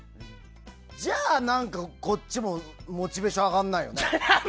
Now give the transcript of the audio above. じゃあ、こっちもモチベーション上がらないよね。